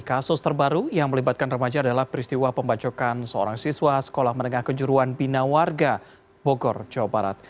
kasus terbaru yang melibatkan remaja adalah peristiwa pembacokan seorang siswa sekolah menengah kejuruan bina warga bogor jawa barat